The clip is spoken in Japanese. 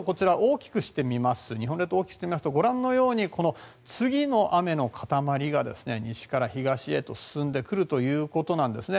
日本列島を大きくしてみますとご覧のように次の雨の塊が西から東へと進んでくるということなんですね。